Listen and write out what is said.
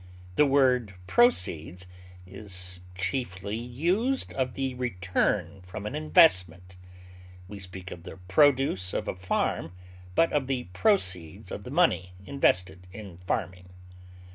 The word proceeds is chiefly used of the return from an investment: we speak of the produce of a farm, but of the proceeds of the money invested in farming.